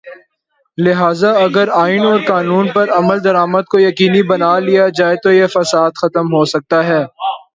لہذا اگر آئین اور قانون پر عمل درآمد کو یقینی بنا لیا جائے تویہ فساد ختم ہو سکتا ہے۔